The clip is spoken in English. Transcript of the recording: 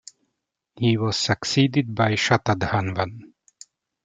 He was succeeded by Shatadhanvan.